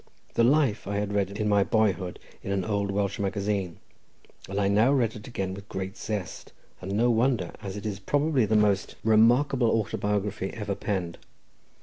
The life I had read in my boyhood in an old Welsh magazine, and I now read it again with great zest, and no wonder, as it is probably the most remarkable autobiography ever penned.